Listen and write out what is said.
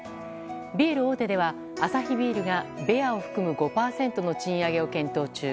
ビール大手ではアサヒビールがベアを含む５％の賃上げを検討中。